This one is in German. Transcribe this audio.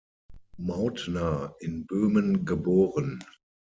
Mautner, in Böhmen geboren.